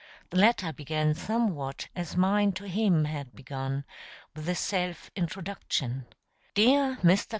The letter began somewhat as mine to him had begun with a self introduction: "DEAR MR.